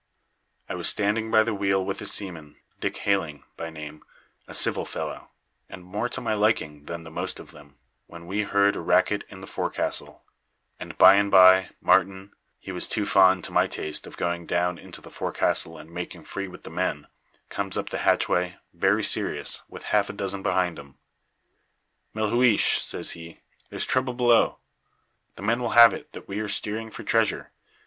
"I was standing by the wheel with a seaman, Dick Hayling by name, a civil fellow, and more to my liking than the most of them, when we heard a racket in the forecastle, and by and by Martin he was too fond, to my taste of going down into the forecastle and making free with the men comes up the hatchway, very serious, with half a dozen behind him. "'Melhuish,' says he, 'there's trouble below. The men will have it that we are steering for treasure.